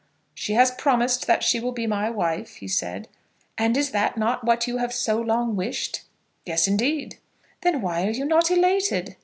"She has promised that she will be my wife," he said. "And is not that what you have so long wished?" "Yes, indeed." "Then why are you not elated?"